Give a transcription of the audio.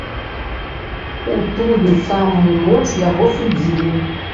У тую самую ноч яго судзілі.